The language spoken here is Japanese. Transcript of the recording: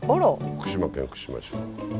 福島県福島市。